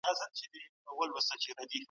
د جګړې پیلوونکي په خپلو پرېکړو کي بې مطالعې وو.